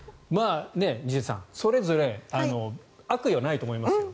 西出さん、それぞれ悪意はないと思いますよ。